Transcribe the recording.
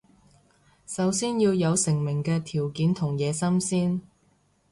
首先要有成名嘅條件同野心先